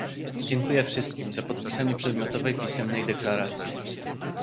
Dziękuję wszystkim za podpisanie przedmiotowej pisemnej deklaracji